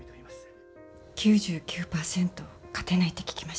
９９％勝てないって聞きました。